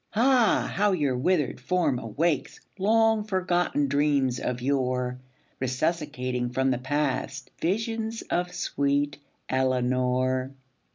Ah, how your withered form awakes Long forgotten dreams of yore Resuscitating from the past Visions of sweet Eleanor!